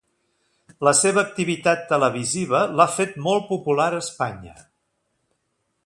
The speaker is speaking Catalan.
La seva activitat televisiva l'ha fet molt popular a Espanya.